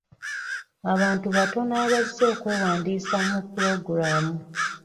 Abantu batono abazze okwewandiisa mu pulogulamu.